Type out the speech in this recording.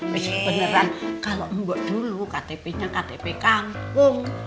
beneran kalau mbak dulu ktp nya ktp kampung